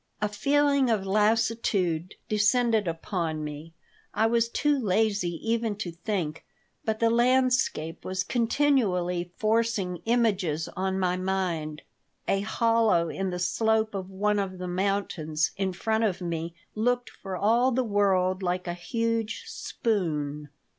A feeling of lassitude descended upon me. I was too lazy even to think, but the landscape was continually forcing images on my mind. A hollow in the slope of one of the mountains in front of me looked for all the world like a huge spoon.